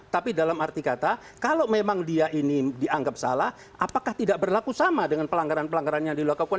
tapi dalam arti kata kalau memang dia ini dianggap salah apakah tidak berlaku sama dengan pelanggaran pelanggaran yang dilakukan